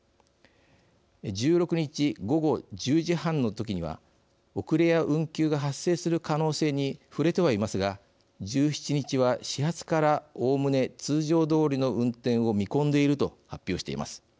１６日午後１０時半の時には遅れや運休が発生する可能性に触れてはいますが１７日は始発からおおむね通常どおりの運転を見込んでいると発表しています。